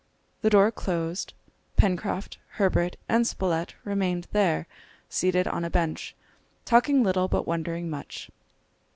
The door closed, Pencroft, Herbert, and Spilett remained there, seated on a bench, talking little but wondering much.